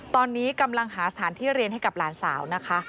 ตอนนี้กำลังหาสถานที่เรียนให้กับหลานสาวนะคะ